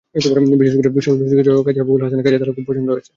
বিশেষ করে শল্যচিকিৎসক কাজী আবুল হাসানের কাজ তারা খুব পছন্দ করেছে।